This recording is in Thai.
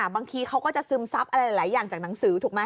บางทีเขาก็จะซึมซับอะไรหลายอย่างจากหนังสือถูกไหม